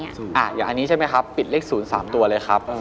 อย่างนี้ใช่ไหมครับปิดเลข๐๓ตัวเลยครับ